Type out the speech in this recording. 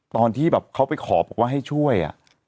ตอนที่แบบเขาไปขอบอกว่าให้ช่วย